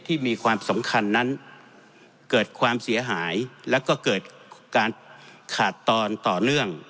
มีความสำคัญนั้นเกิดความเสียหายแล้วก็เกิดการขาดตอนต่อเนื่อง